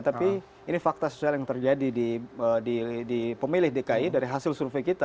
tapi ini fakta sosial yang terjadi di pemilih dki dari hasil survei kita